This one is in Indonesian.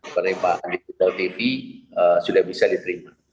penerimaan digital tv sudah bisa diterima